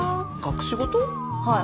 はい。